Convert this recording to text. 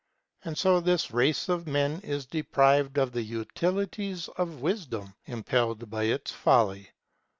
And so this race of men is deprived of the utilities of wisdom, impelled by its folly.